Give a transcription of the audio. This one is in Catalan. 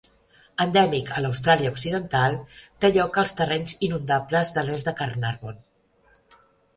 Endèmic a l'Austràlia occidental, té lloc als terrenys inundables de l'est de Carnarvon.